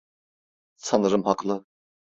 Sanırım haklı.